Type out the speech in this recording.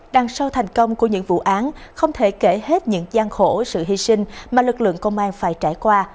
đằng sau thành công của những vụ án không thể kể hết những gian khổ sự hy sinh mà lực lượng công an phải trải qua